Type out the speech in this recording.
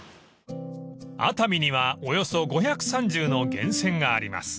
［熱海にはおよそ５３０の源泉があります］